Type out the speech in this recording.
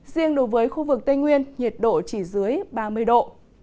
riêng đối với khu vực tây nguyên nhiệt độ chỉ dưới ba mươi độ